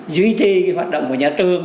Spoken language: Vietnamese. duy tì cái hoạt động của nhà trường